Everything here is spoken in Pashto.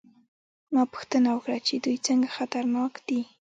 ما پوښتنه وکړه چې دوی څنګه خطرناک دي